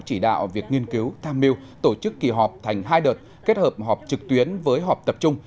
chỉ đạo việc nghiên cứu tham mưu tổ chức kỳ họp thành hai đợt kết hợp họp trực tuyến với họp tập trung